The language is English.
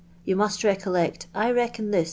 You must recollect 1 reckon ill!